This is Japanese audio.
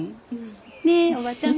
ねっおばちゃん。